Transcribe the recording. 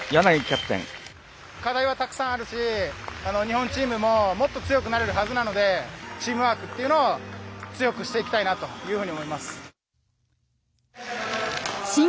課題はたくさんあるんで日本チームももっと強くなれるはずなのでチームワークというのを強くしていきたいなというふうに思います。